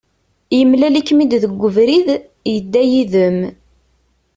Yemlal-ikem-id deg ubrid, yedda yid-m.